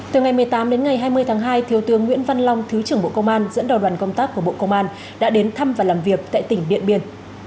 từ ngày một mươi tám đến ngày hai mươi tháng hai thiếu tướng nguyễn văn long thứ trưởng bộ công an dẫn đầu đoàn công tác của bộ công an đã đến thăm và làm việc tại tỉnh điện biên